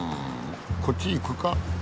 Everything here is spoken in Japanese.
こっち行くか。